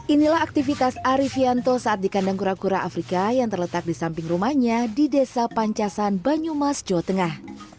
inilah aktivitas arifianto saat di kandang kura kura afrika yang terletak di samping rumahnya di desa pancasan banyumas jawa tengah